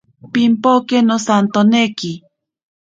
Pimpoke nosantoneki.